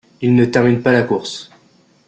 Il ne termine pas la course.